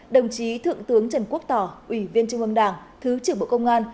đồng chí thượng tướng trần quốc tỏ ủy viên trung ương đảng thứ trưởng bộ công an